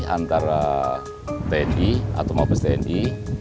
antara tni atau mabes tni